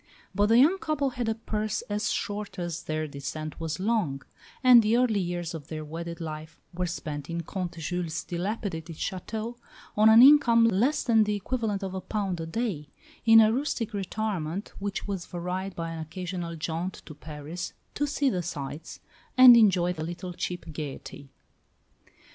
But the young couple had a purse as short as their descent was long; and the early years of their wedded life were spent in Comte Jules' dilapidated château, on an income less than the equivalent of a pound a day in a rustic retirement which was varied by an occasional jaunt to Paris to "see the sights," and enjoy a little cheap gaiety.